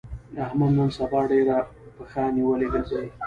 احمد نن سبا ډېر پښه نيولی ګرځي.